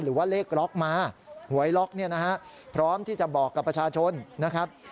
หรือว่าเลขล็อกมาหวยล็อกเนี่ยนะฮะพร้อมที่จะบอกกับประชาชนนะครับ